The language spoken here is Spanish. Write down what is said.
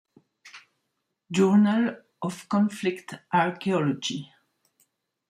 Journal of Conflict Archaeology